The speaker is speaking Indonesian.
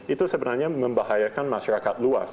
itu sebenarnya membahayakan masyarakat luas